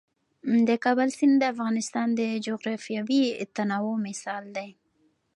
د کابل سیند د افغانستان د جغرافیوي تنوع مثال دی.